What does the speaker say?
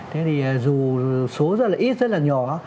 thế thì dù số rất là ít rất là nhỏ